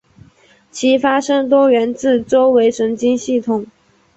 其发生多源自周围神经系统。